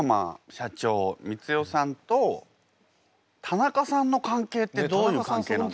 社長光代さんと田中さんの関係ってどういう関係なんですか？